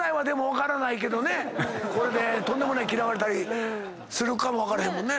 これでとんでもない嫌われたりするかもわかれへんもんね。